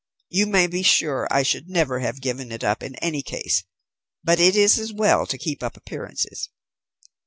You may be sure I should never have given it up, in any case, but it is as well to keep up appearances.